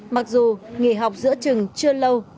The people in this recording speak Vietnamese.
mặc dù nghỉ học giữa trường chưa lâu